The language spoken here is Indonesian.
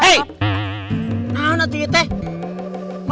hei nahan atuh ibu